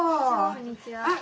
こんにちは。